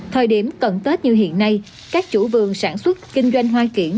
thời điểm cận tết như hiện nay các chủ vườn sản xuất kinh doanh hoa kiển